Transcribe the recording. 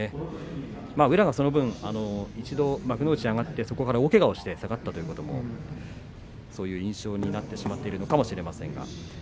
宇良がその分、西の幕内に上がって、大けがをして下がったということもそういう印象になってしまっているのかもしれません。